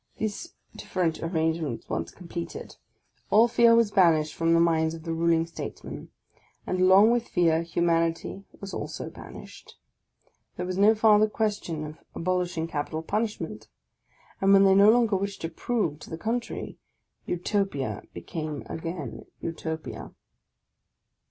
These different arrangements once completed, all fear was banished from the minds of the ruling statesmen ; and along with fear humanity was also banished. There was no farther question of abolishing capital punishment ; and, when they no longer wished to prove to the contrary, Utopia became again Utopia!